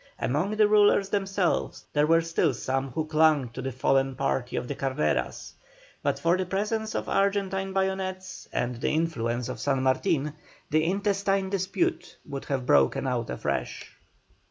Among the rulers themselves there were still some who clung to the fallen party of the Carreras; but for the presence of Argentine bayonets and the influence of San Martin the intestine dispute would have broken out afresh.